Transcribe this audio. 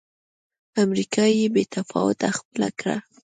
امریکا بې تفاوتي خپله کړه.